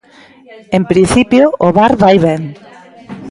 En principio, o bar vai ben.